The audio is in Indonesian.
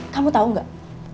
kamu tau gak